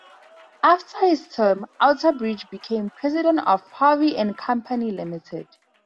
After his term, Outerbridge became president of Harvey and Company Limited.